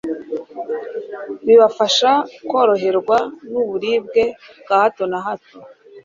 bibafasha koroherwa n'uburibwe bwa hato na hato